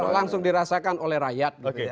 langsung dirasakan oleh rakyat